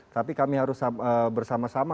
tapi kami harus bersama sama